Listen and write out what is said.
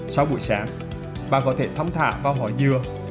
sau buổi sáng bà có thể thấm thả vào hỏa dừa